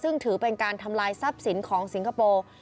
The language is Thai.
ซึ่งถือเป็นการทำลายทรัพย์สินของสิงคโปร์